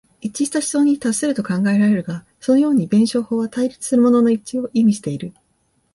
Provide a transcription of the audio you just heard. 一致した思想に達すると考えられるが、そのように弁証法は対立するものの一致を意味している。